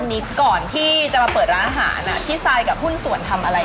เดี๋ยวค่อยคุยมีอะไร